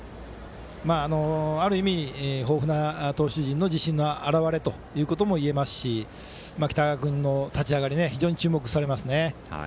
ある意味、豊富な投手陣の自身の表れともいえますし北川君の立ち上がりが非常に注目されますね。